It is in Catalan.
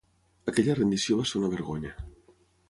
Aquella rendició va ésser una vergonya.